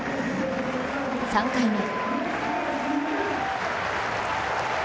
３回目。